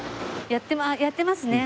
やってますね。